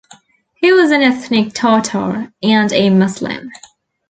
He was an ethnic Tatar, and a Muslim.